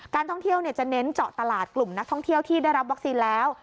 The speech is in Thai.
ท่องเที่ยวจะเน้นเจาะตลาดกลุ่มนักท่องเที่ยวที่ได้รับวัคซีนแล้ว